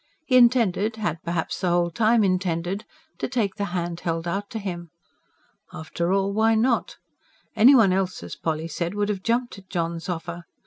He intended had perhaps the whole time intended to take the hand held out to him. After all, why not? Anyone else, as Polly said, would have jumped at John's offer.